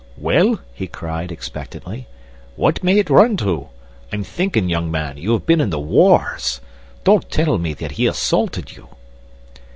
"Well," he cried, expectantly, "what may it run to? I'm thinking, young man, you have been in the wars. Don't tell me that he assaulted you."